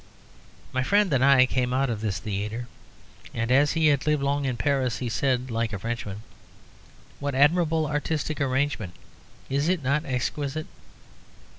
My friend and I came out of this theatre, and as he had lived long in Paris, he said, like a Frenchman: "What admirable artistic arrangement! Is it not exquisite?"